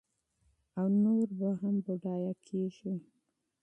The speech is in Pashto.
او نور به هم بډایه کېږي.